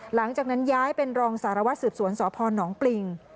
หลังจากนั้นย้ายเป็นรองสารวัตรสืบสวนสพนปริง